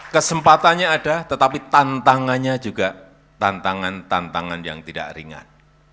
kesempatannya ada tetapi tantangannya juga tantangan tantangan yang tidak ringan